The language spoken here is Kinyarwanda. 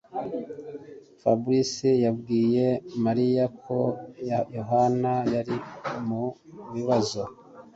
fabrice yabwiye Mariya ko Yohana yari mu bibazo.